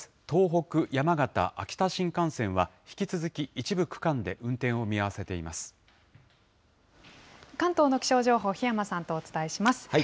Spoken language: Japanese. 東北・山形・秋田新幹線は、引き続き一部区間で運転を見合わせて関東の気象情報、檜山さんとお伝えします。